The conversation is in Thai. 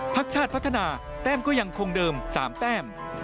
พักชาติพัฒนาแต้มก็ยังคงเดิม๓แต้ม